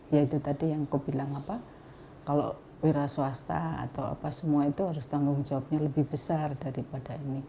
ya itu tadi yang kubilang apa kalau wira swasta atau apa semua itu harus tanggung jawabnya lebih besar daripada ini